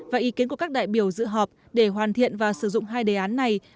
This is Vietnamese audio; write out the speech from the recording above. và ý kiến của các đại biểu dự họp để hoàn thiện và sử dụng hai đề án này